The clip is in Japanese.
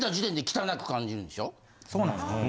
・そうなんですか？